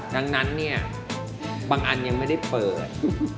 ดังนั้นเนี่ยบางอันยังไม่ได้เปิด